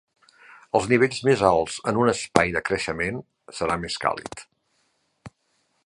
Els nivells més alts en un espai de creixement serà més càlid.